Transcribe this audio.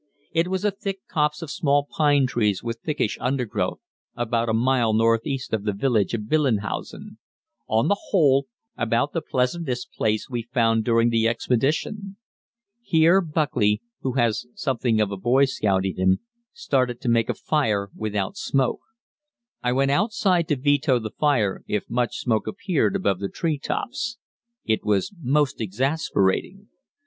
It was a thick copse of small pine trees with thickish undergrowth, about a mile northeast of the village of Billenhausen on the whole, about the pleasantest place we found during the expedition. Here Buckley, who has something of the boy scout in him, started to make a fire without smoke. I went outside to veto the fire if much smoke appeared above the tree tops. It was most exasperating.